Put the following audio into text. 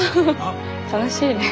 楽しいね。